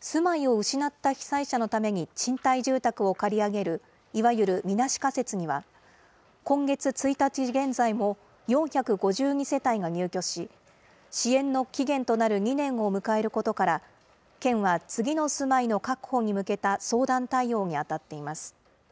住まいを失った被災者のために賃貸住宅を借り上げる、いわゆるみなし仮設には、今月１日現在も４５２世帯が入居し、支援の期限となる２年を迎えることから、県は次の住まいの確保に向けた相談対応に当たっています。